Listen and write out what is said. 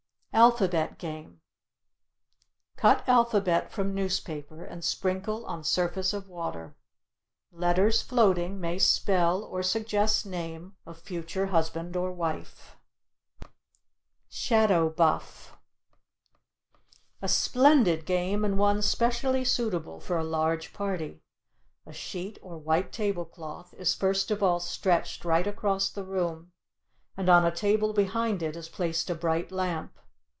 ALPHABET GAME Cut alphabet from newspaper and sprinkle on surface of water; letters floating may spell or suggest name of future husband or wife. SHADOW BUFF A splendid game, and one specially suitable for a large party. A sheet or white tablecloth is first of all stretched right across the room, and on a table behind it is placed a bright lamp.